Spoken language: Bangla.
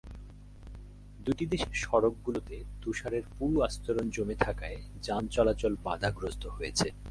দুটি দেশের সড়কগুলোতে তুষারের পুরু আস্তরণ জমে থাকায় যান চলাচল বাধাগ্রস্ত হয়েছে।